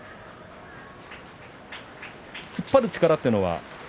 突っ張る力というのは？